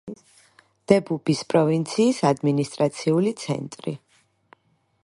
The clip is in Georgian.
დებუბის პროვინციის ადმინისტრაციული ცენტრი.